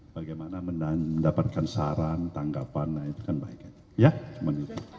bagaimana mendapatkan saran tanggapan nah itu kan baiknya